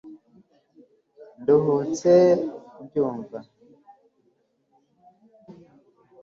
nduhutse kubyumva